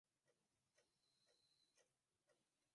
Punja Kara alidai kuwa Abeid Karume alishindwa kulipa fedha hizo